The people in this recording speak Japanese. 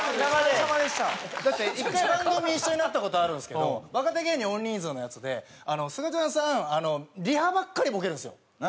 だって１回番組一緒になった事あるんですけど若手芸人大人数のやつですがちゃんさんリハばっかりボケるんですよ。